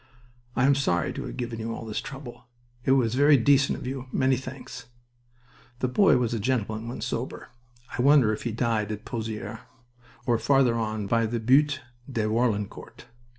"I am sorry to have given you all this trouble. It was very decent of you. Many thanks." The boy was a gentleman when sober. I wonder if he died at Pozieres, or farther on by the Butte de Warlencourt...